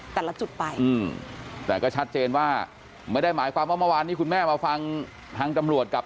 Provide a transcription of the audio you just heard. แต่ละจุดไปแต่ก็ชัดเจนว่าไม่ได้หมายความว่าเมื่อวานนี้คุณแม่มาฟังทางตำรวจกับ